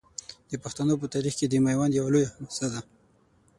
د پښتنو په تاریخ کې میوند یوه لویه حماسه ده.